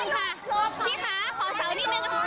ยอมยอม